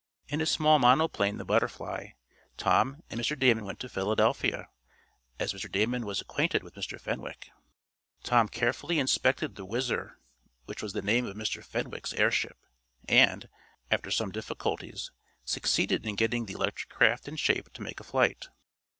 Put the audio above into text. In his small monoplane, the Butterfly, Tom and Mr. Damon went to Philadelphia, as Mr. Damon was acquainted with Mr. Fenwick. Tom carefully inspected the Whizzer which was the name of Mr. Fenwick's airship, and, after some difficulties, succeeded in getting the electric craft in shape to make a flight.